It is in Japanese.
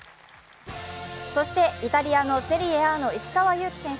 イタリア・セリエＡの石川祐希選手。